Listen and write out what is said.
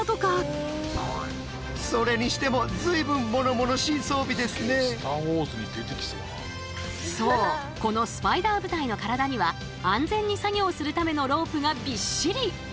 これだけでそうこのスパイダー部隊の体には安全に作業するためのロープがびっしり。